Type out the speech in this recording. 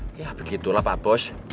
ya begitulah pak bos